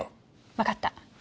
わかった。